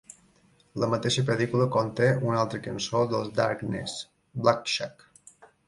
La mateixa pel·lícula conté una altra cançó dels Darkness, Black Shuck.